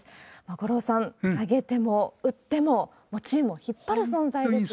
五郎さん、投げても、打っても、チームを引っ張る存在だということですね。